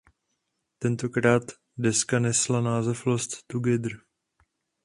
Tentokrát deska nesla název Lost Together.